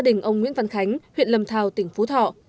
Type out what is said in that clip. tỉnh ông nguyễn văn khánh huyện lâm thào tỉnh phú thọ